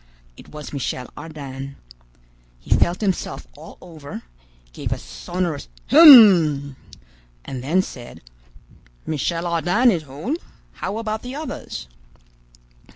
It was Michel Ardan. He felt himself all over, gave a sonorous "Hem!" and then said: "Michel Ardan is whole. How about the others?"